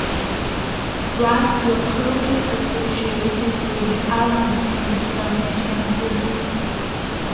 Rus were closely associated with the Alans in the Sarmatian period.